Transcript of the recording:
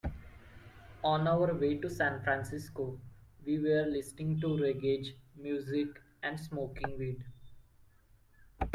On our way to San Francisco, we were listening to reggae music and smoking weed.